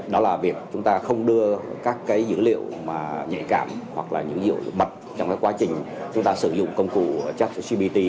đó là việc chúng ta không đưa các cái dữ liệu mà nhạy cảm hoặc là những dữ liệu bật trong cái quá trình chúng ta sử dụng công cụ chat gpt